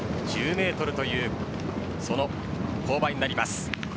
１０ｍという勾配になります。